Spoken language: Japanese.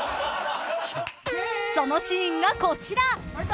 ［そのシーンがこちら］